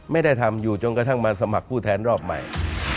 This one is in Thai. ไม่ได้ทำอยู่จนกระทั่งมาสมัครผู้แทนรอบใหม่